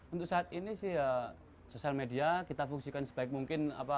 untuk saat ini sih ya sosial media kita fungsikan sebaik mungkin